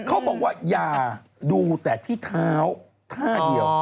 เขาบอกว่าอย่าดูแต่ที่เท้าท่าเดียว